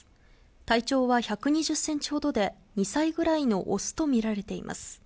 体長は１２０センチほどで、２歳ぐらいの雄と見られています。